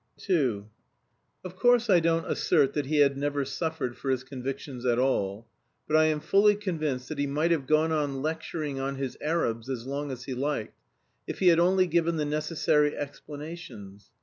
II Of course I don't assert that he had never suffered for his convictions at all, but I am fully convinced that he might have gone on lecturing on his Arabs as long as he liked, if he had only given the necessary explanations.